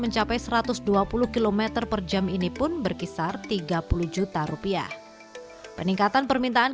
mencapai satu ratus dua puluh km per jam ini pun berkisar tiga puluh juta rupiah peningkatan permintaan